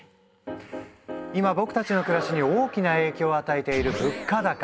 今僕たちの暮らしに大きな影響を与えている物価高。